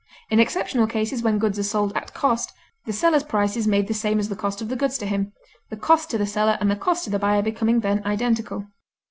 In exceptional cases, when goods are sold at cost, the seller's price is made the same as the cost of the goods to him, the cost to the seller and the cost to the buyer becoming then identical.